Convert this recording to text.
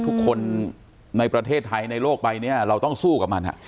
ทุกคนในประเทศไทยในโลกใบนี้เราต้องสู้กับมัน